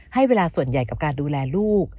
ให้เวลาส่วนใหญ่กับการดูแลลูก